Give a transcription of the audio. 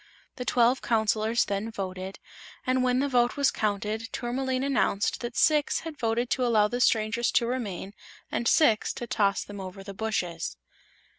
The twelve Counselors then voted, and when the vote was counted Tourmaline announced that six had voted to allow the strangers to remain and six to toss them over the bushes.